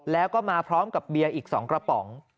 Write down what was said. แล้วก็มาพร้อมกับเบียร์อีก๒กระป๋อง